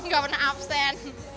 gak pernah absen